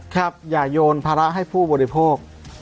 ครับอย่าโยนพละให้ผู้บริโภค